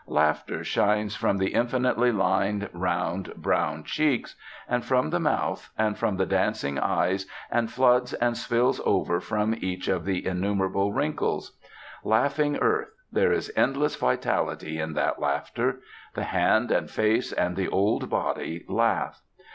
Laughter shines from the infinitely lined, round, brown cheeks, and from the mouth, and from the dancing eyes, and floods and spills over from each of the innumerable wrinkles. Laughing Earth there is endless vitality in that laughter. The hand and face and the old body laugh.